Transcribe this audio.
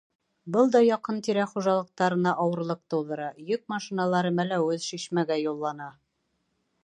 Был да яҡын-тирә хужалыҡтарына ауырлыҡ тыуҙыра — йөк машиналары Мәләүез, Шишмәгә юллана.